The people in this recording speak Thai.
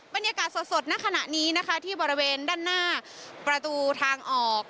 บรรยากาศสดณขณะนี้นะคะที่บริเวณด้านหน้าประตูทางออก